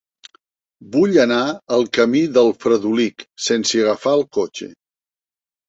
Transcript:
Vull anar al camí del Fredolic sense agafar el cotxe.